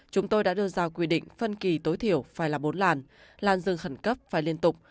chúng tôi đã đưa ra quy định phân kỳ tối thiểu phải là bốn làn làn rừng khẩn cấp phải liên tục